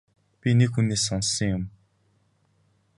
Би нэг хүнээс сонссон юм.